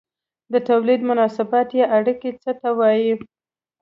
د توليد مناسبات یا اړیکې څه ته وايي؟